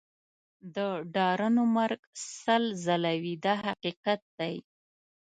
د ډارنو مرګ سل ځله وي دا حقیقت دی.